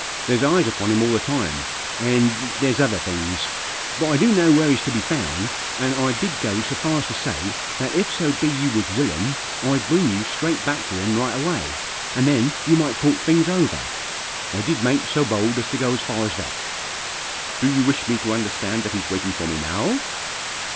There's eyes upon him all the time, and there's other things. But I do know where he's to be found, and I did go so far as to say that if so be you was willin' I'd bring you straight back to him right away, and then you might talk things over ; I did make so bold as to go as far as that." " Do you wish me to understand that he's waiting for me now